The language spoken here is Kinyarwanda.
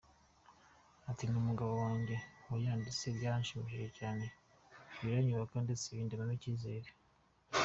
Ati “Ni umugabo wanjye wayanditse, byaranshimishije cyane, biranyubaka ndetse bindemamo icyizere.